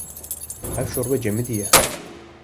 Ev şorbe cemidî ye.